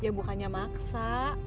ya bukannya maksa